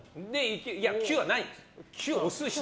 ９はないんです。